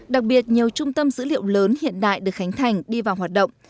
đặc biệt nhiều trung tâm dữ liệu lớn hiện đại được khánh thành đi vào hoạt động